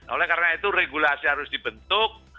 oleh karena itu regulasi harus dibentuk